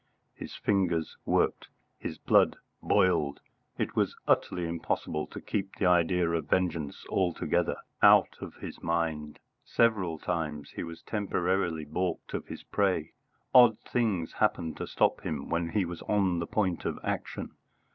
His fingers worked. His blood boiled. It was utterly impossible to keep the idea of vengeance altogether out of his mind. Several times he was temporarily baulked of his prey. Odd things happened to stop him when he was on the point of action.